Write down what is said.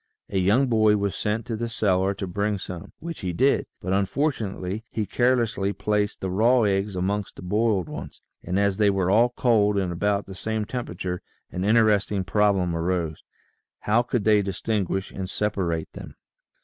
A young boy was sent to the cellar to bring some, which he did, but unfortunately he carelessly placed the raw eggs amongst the boiled ones, and as they were all cold and about the same temperature an interesting problem arose: How could they distinguish and separate them?